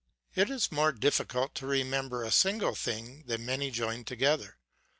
It is more difficult to remember a single thing than many joined together.